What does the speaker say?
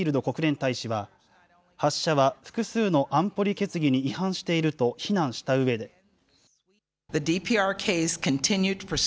国連大使は、発射は複数の安保理決議に違反していると非難したうえで。